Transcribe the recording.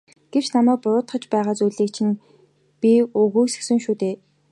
Гэхдээ намайг буруутгаж байгаа зүйлийг чинь би үгүйсгэсэн шүү дээ.